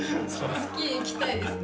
スキーへ行きたいですね。